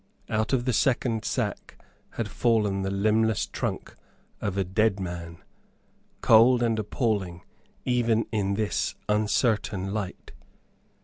Out of the second sack had fallen the limbless trunk of a dead man, cold and appalling even in this uncertain light.